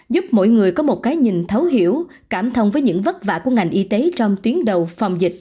giúp mỗi người có một cái nhìn thấu hiểu cảm thông với những vất vả của ngành y tế trong tuyến đầu phòng dịch